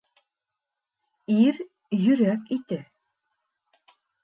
Ир йорәк ите.